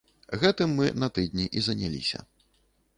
Гэтым мы на тыдні і заняліся.